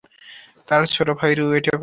তার ছোট ভাই রুয়েটে পড়ে।